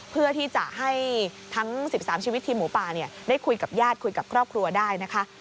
เพื่อที่จะให้ทั้ง๑๓ชีวิตทีมหมูป่าได้คุยกับญาติคุยกับครอบครัวได้นะคะ